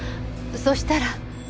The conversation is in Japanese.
そしたら。